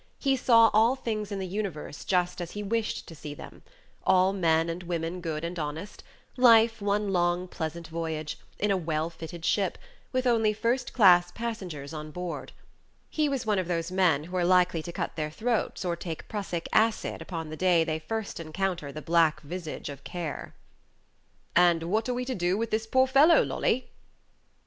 He saw all things in the universe just as he wished to see them all men and women good and honest; life one long, pleasant voyage, in a well fitted ship, with only first class passengers on board. He was one of those men who are likely to cut their throats or take prussic acid upon the day they first encounter the black visage of Care. "And what are we to do with this poor fellow, Lolly?"